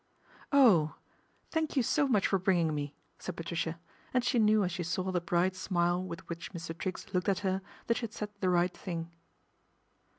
" Oh ! thank you so much for bringing me," said Patricia, and she knew as she saw the bright smile with which Mr. Triggs looked at her thai she had said the right thing.